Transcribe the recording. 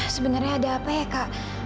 sebenarnya ada apa ya kak